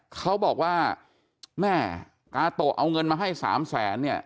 เขาบอกว่าแม่กาโตะเอาเงินมาให้๓แสนเนี่ย